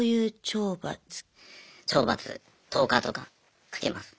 懲罰１０日とかかけます。